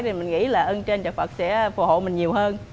nên mình nghĩ là ơn trên cho phật sẽ phù hộ mình nhiều hơn